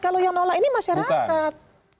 kalau yang nolak ini masyarakat